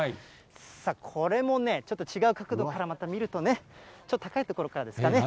さあ、これもね、ちょっと違う角度からまた見るとね、ちょっと高い所からですかね。